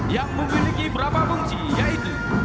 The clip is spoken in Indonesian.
yang memiliki berapa fungsi yaitu